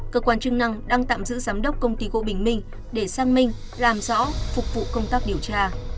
cơ quan chức năng đang tạm giữ giám đốc công ty gỗ bình minh để sang minh làm rõ phục vụ công tác điều tra